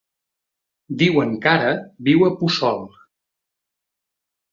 Diuen que ara viu a Puçol.